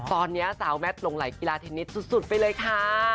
ตอนนี้สาวแมทหลงไหลกีฬาเทนนิสสุดไปเลยค่ะ